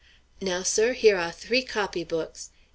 Now, sir, here are three copy books.